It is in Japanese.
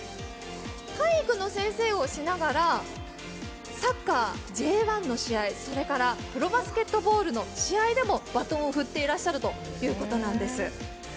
体育の先生をしながらサッカーＪ１の試合、プロバスケットボールの試合でもバトンを振ってらっしゃるんです。